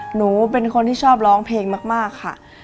หนูเป็นคนที่ชอบร้องเพลงมากค่ะ